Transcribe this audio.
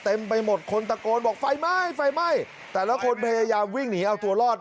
ไปหมดคนตะโกนบอกไฟไหม้ไฟไหม้แต่ละคนพยายามวิ่งหนีเอาตัวรอด